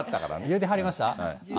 言うてはりました？